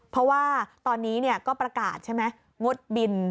เพราะว่าตอนนี้ก็ประกาศใช่ไหมงดบิน